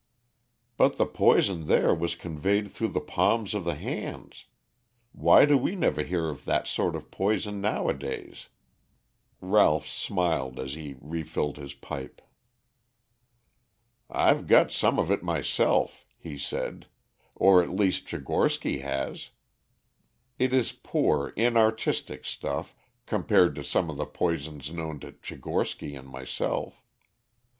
"But the poison there was conveyed through the palms of the hands. Why do we never hear of that sort of poison nowadays?" Ralph smiled as he refilled his pipe. "I've got some of it myself," he said, "or at least Tchigorsky has. It is poor, inartistic stuff, compared to some of the poisons known to Tchigorsky and myself.